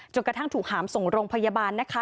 กระทั่งถูกหามส่งโรงพยาบาลนะคะ